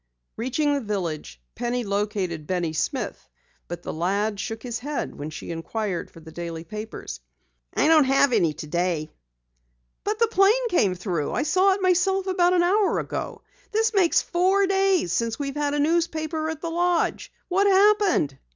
Reaching the village, Penny located Benny Smith, but the lad shook his head when she inquired for the daily papers. "I don't have any today." "But the plane came through! I saw it myself about an hour ago. This makes four days since we've had a newspaper at the lodge. What happened?"